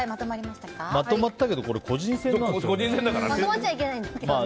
まとまったけど個人戦ですよね。